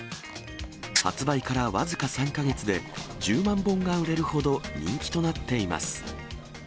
発売から僅か３か月で、１０万本が売れるほど、人気となっています。